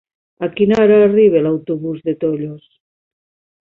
A quina hora arriba l'autobús de Tollos?